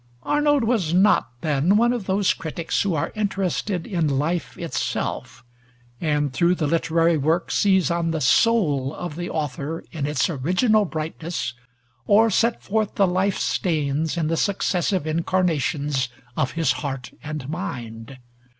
Arnold was not, then, one of those critics who are interested in life itself, and through the literary work seize on the soul of the author in its original brightness, or set forth the life stains in the successive incarnations of his heart and mind.